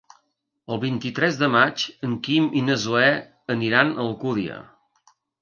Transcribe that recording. El vint-i-tres de maig en Quim i na Zoè aniran a Alcúdia.